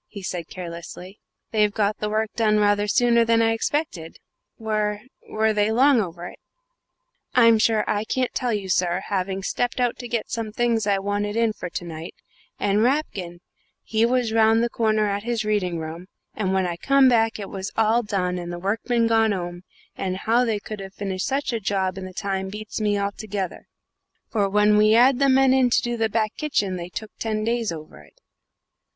he said carelessly. "They've got the work done rather sooner than I expected. Were were they long over it?" "I'm sure I can't tell you, sir, having stepped out to get some things I wanted in for to night; and Rapkin, he was round the corner at his reading room; and when I come back it was all done and the workmen gone 'ome; and how they could have finished such a job in the time beats me altogether, for when we 'ad the men in to do the back kitchen they took ten days over it."